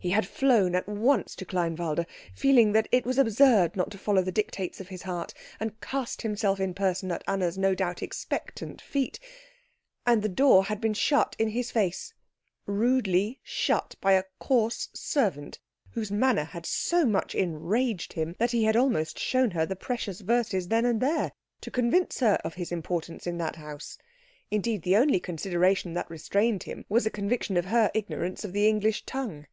He had flown at once to Kleinwalde, feeling that it was absurd not to follow the dictates of his heart and cast himself in person at Anna's no doubt expectant feet, and the door had been shut in his face rudely shut, by a coarse servant, whose manner had so much enraged him that he had almost shown her the precious verses then and there, to convince her of his importance in that house; indeed, the only consideration that restrained him was a conviction of her ignorance of the English tongue.